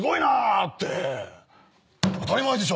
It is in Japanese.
当たり前でしょ。